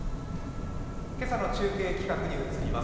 今朝の中継企画に移ります。